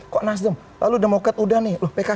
kok nasdim lalu demokrat udah nih